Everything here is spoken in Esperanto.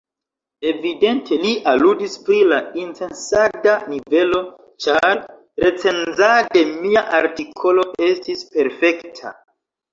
Evidente li aludis pri la incensada nivelo, ĉar recenzade mia artikolo estis perfekta.